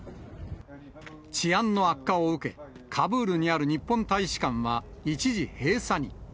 治安の悪化を受け、カブールにある日本大使館は一時閉鎖に。